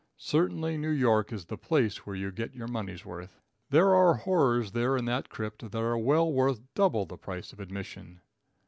Certainly New York is the place where you get your money's worth. There are horrors there in that crypt that are well worth double the price of admission.